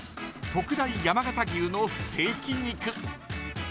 特大山形牛のステーキ肉。